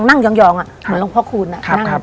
นั่งยองเหมือนลองพ่อคูณนั่ง